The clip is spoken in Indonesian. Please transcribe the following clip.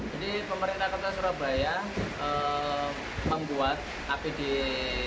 jadi pemerintah kota surabaya membuat apd sendiri